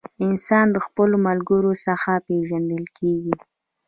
انسان د خپلو ملګرو څخه پیژندل کیږي.